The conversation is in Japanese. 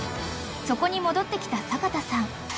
［そこに戻ってきた阪田さん］